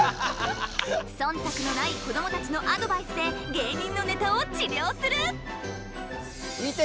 そんたくのない子どもたちのアドバイスで芸人のネタを治療する！